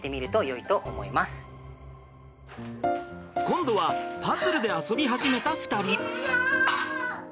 今度はパズルで遊び始めた２人。